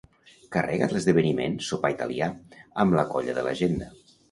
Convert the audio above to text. Carrega't l'esdeveniment "sopar italià" amb la colla de l'agenda.